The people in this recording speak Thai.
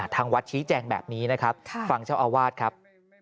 ทางวัดชี้แจงแบบนี้นะครับฟังเจ้าอาวาสครับ